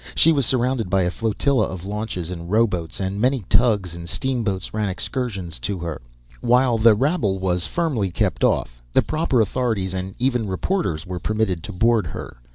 She was surrounded by a flotilla of launches and rowboats, and many tugs and steamboats ran excursions to her. While the rabble was firmly kept off, the proper authorities and even reporters were permitted to board her.